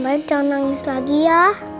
baik jangan nangis lagi ya